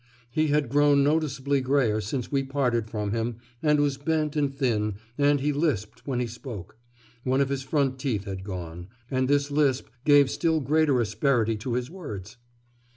He had grown noticeably greyer since we parted from him, and was bent and thin, and he lisped when he spoke; one of his front teeth had gone; and this lisp gave still greater asperity to his words....